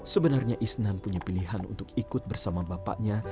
sebenarnya isnan punya pilihan untuk ikut bersama bapaknya